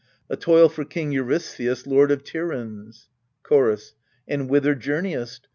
A toil for King Eurystheus, lord of Tiryns. Chorus. And whither journeyest?